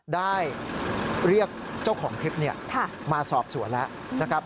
ได้เรียกเจ้าของคลิปมาสอบสวนแล้วนะครับ